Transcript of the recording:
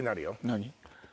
何？